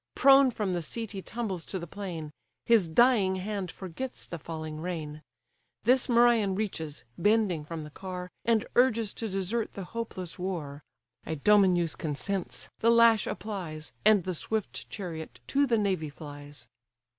Prone from the seat he tumbles to the plain; His dying hand forgets the falling rein: This Merion reaches, bending from the car, And urges to desert the hopeless war: Idomeneus consents; the lash applies; And the swift chariot to the navy flies.